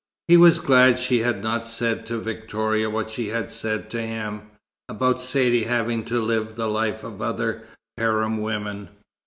He was glad she had not said to Victoria what she had said to him, about Saidee having to live the life of other harem women.